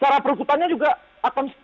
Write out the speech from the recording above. cara perusahaannya juga akan setara